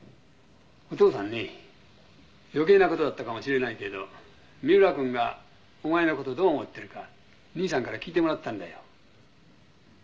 「お父さんね余計な事だったかもしれないけど三浦君がお前の事どう思っているか兄さんから聞いてもらったんだよ」